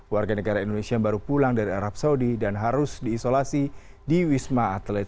warga negara indonesia yang baru pulang dari arab saudi dan harus diisolasi di wisma atlet